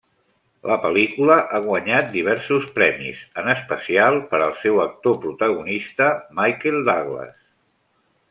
La pel·lícula ha guanyat diversos premis, en especial per al seu actor protagonista, Michael Douglas.